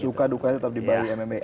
suka dukanya tetap di bahu mma